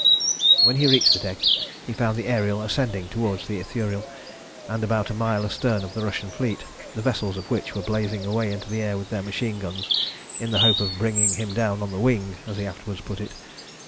When he reached the deck he found the Ariel ascending towards the Ithuriel, and about a mile astern of the Russian fleet, the vessels of which were blazing away into the air with their machine guns, in the hope of "bringing him down on the wing," as he afterwards put it.